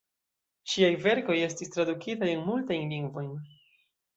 Ŝiaj verkoj estis tradukitaj en multajn lingvojn.